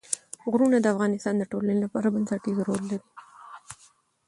غرونه د افغانستان د ټولنې لپاره بنسټيز رول لري.